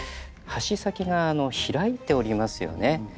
はし先が開いておりますよね。